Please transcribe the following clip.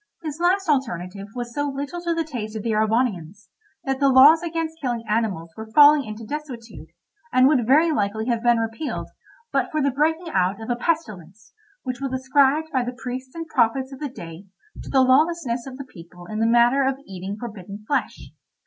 This last alternative was so little to the taste of the Erewhonians, that the laws against killing animals were falling into desuetude, and would very likely have been repealed, but for the breaking out of a pestilence, which was ascribed by the priests and prophets of the day to the lawlessness of the people in the matter of eating forbidden flesh.